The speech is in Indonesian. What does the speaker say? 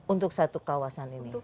untuk satu kawasan ini